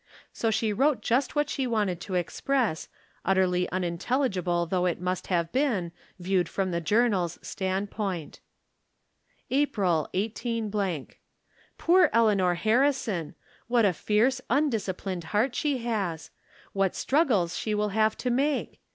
So she wrote just what she wanted to ex press, utterly unintelligible though it must have been, viewed from the Journal's standpoint. From Different Standpoints. 341 April 18 —. Poor Eleanor Harrison ! "What a fierce, undisciplined heart she has ! What struggles she will have to make